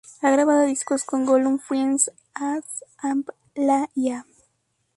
Ha grabado discos con Gollum Friends, As-amb-la-i.